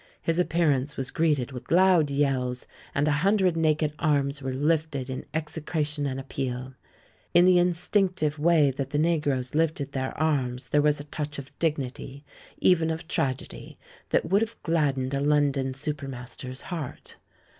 His appearance was greeted with loud yells, and a hundred naked arms were lifted in execration and appeal. In the instinc tive way that the negroes lifted their arms, there was a touch of dignity, even of tragedy, that would have gladdened a London super master's heart.